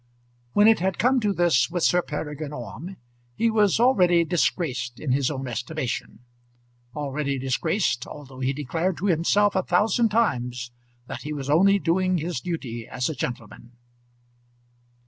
When it had come to this with Sir Peregrine Orme, he was already disgraced in his own estimation, already disgraced, although he declared to himself a thousand times that he was only doing his duty as a gentleman.